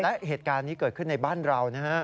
และเหตุการณ์นี้เกิดขึ้นในบ้านเรานะฮะ